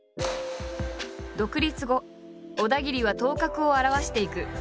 独立後小田切は頭角を現していく。